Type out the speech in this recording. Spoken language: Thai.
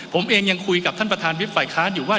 ผมเองยังคุยกับท่านประธานวิทย์ฝ่ายค้านอยู่ว่า